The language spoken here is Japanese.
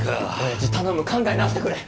親父頼む考え直してくれ！